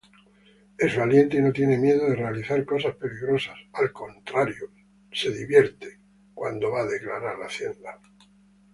Es valiente y no tiene miedo de realizar cosas peligrosas, al contrario, se divierte.